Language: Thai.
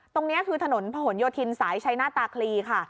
ตรงนี้คือถนนพะหนโยธินสายชัยหน้าตาคลีค่ะ